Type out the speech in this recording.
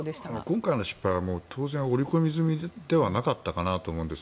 今回の失敗は当然織り込み済みではなかったかなと思うんです。